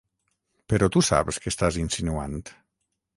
Però tu saps què estàs insinuant?